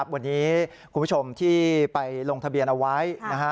วันนี้คุณผู้ชมที่ไปลงทะเบียนเอาไว้